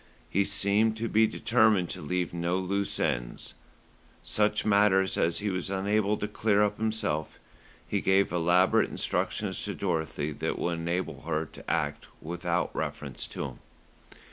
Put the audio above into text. He seemed to be determined to leave no loose ends. Such matters as he was unable to clear up himself, he gave elaborate instructions to Dorothy that would enable her to act without reference to him.